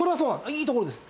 いいところです。